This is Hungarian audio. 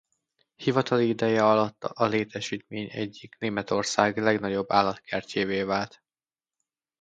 Hivatali ideje alatt a létesítmény egyik Németország legnagyobb állatkertjévé vált.